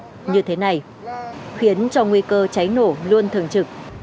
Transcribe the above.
sản xuất như thế này khiến cho nguy cơ cháy nổ luôn thường trực